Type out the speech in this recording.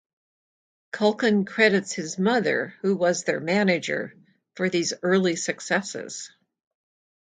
Culkin credits his mother, who was their manager, for these early successes.